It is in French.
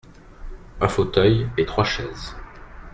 Un fauteuil et trois chaises.